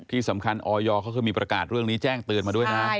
ที่สำคัญออยเขาเคยมีประกาศเรื่องนี้แจ้งเตือนมาด้วยนะ